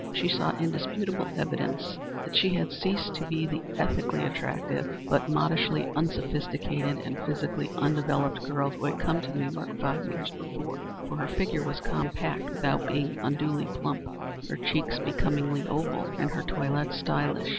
She saw indisputable evidence that she had ceased to be the ethically attractive, but modishly unsophisticated and physically undeveloped girl, who had come to New York five years before, for her figure was compact without being unduly plump, her cheeks becomingly oval, and her toilette stylish.